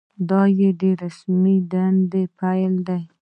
دا یې د رسمي دندې پیل دی.